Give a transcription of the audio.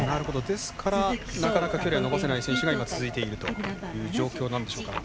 ですから、なかなか今、距離を伸ばせない選手が続いているという状況なんでしょうか。